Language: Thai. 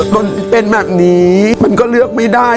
มันเป็นแบบนี้มันก็เลือกไม่ได้